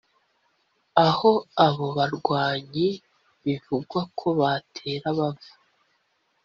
aho abo bagwanyi bivugwa ko batera bava